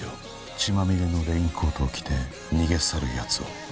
血まみれのレインコートを着て逃げ去るやつを。